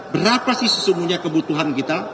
berapa sih sesungguhnya kebutuhan kita